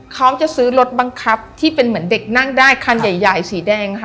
เขาจะซื้อรถบังคับที่เป็นเหมือนเด็กนั่งได้คันใหญ่สีแดงค่ะ